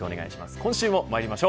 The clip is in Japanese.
今週もまいりましょう。